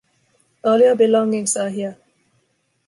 All your belongings are here.